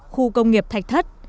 khu công nghiệp thạch thất